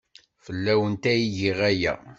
Fell-awent ay giɣ aya.